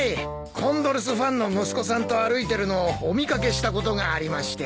コンドルスファンの息子さんと歩いてるのをお見掛けしたことがありまして。